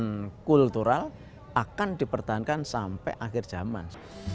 dan kultural akan dipertahankan sampai akhir jaman